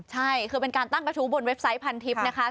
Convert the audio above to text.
ใช่คือเป็นการตั้งกระทู้บนเว็บไซต์พันทิพย์นะคะ